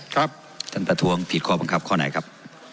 ท่านประท้วงผิดข้อบังคับข้อไหนครับ